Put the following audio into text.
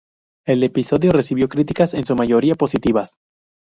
El episodio recibió críticas en su mayoría positivas.